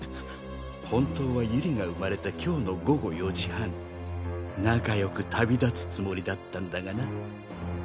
本当は有里が生まれた今日の午後４時半仲良く旅立つつもりだったんだがな。